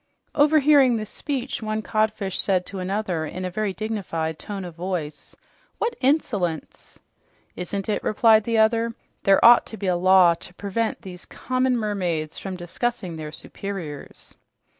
Overhearing this speech, one codfish said to another in a very dignified tone of voice, "What insolence!" "Isn't it?" replied the other. "There ought to be a law to prevent these common mermaids from discussing their superiors."